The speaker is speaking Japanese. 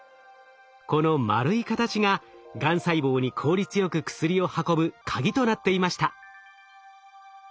この丸い形ががん細胞に効率よく薬を運ぶ鍵となっていました。